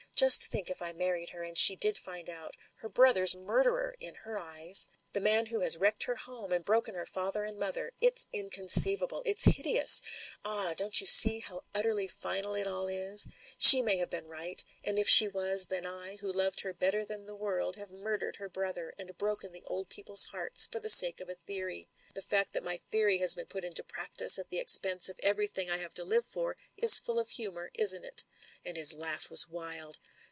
Just think if I married her, and she did find out. Her brother's murderer — in her eyes. The man who has wrecked her home, and broken her father and mother. It's inconceivable, it's hideous. Ah! don't you see how utterly final it all is ? She may have been right ; and if she was, then I, who loved her better than the world, have murdered her brother, and broken the old people's hearts for the sake of a theory. The fact that my theory has been put into practice, at the expense of everything I have to live for, is full of humour, isn't it?" And his laugh was wild.